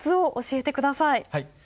はい。